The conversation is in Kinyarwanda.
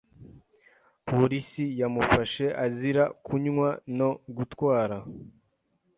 Polisi yamufashe azira kunywa no gutwara.